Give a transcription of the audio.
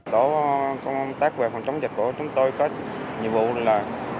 tổ công tác về phòng chống dịch của chúng tôi có nhiệm vụ là